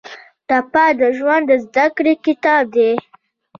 ټپه د ژوند د زده کړې کتاب دی.